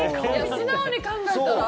素直に考えたら青。